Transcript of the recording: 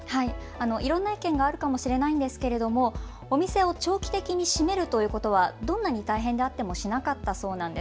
いろんな意見があるかもしれませんが、お店を長期的に閉めるということはどんなに大変であってもしなかったそうなんです。